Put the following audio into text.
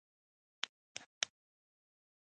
اوبه د کلیو زړونه ژوندی ساتي.